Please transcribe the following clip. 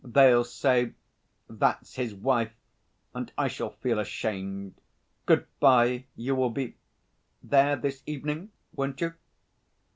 They'll say, 'That's his wife,' and I shall feel ashamed.... Good bye. You will be ... there this evening, won't you?"